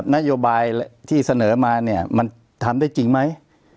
นโยบายที่เสนอมาเนี่ยมันทำได้จริงไหม